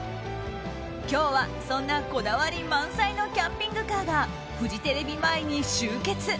今日は、そんなこだわり満載のキャンピングカーがフジテレビ前に集結！